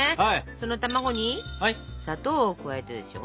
その卵に砂糖を加えるでしょ。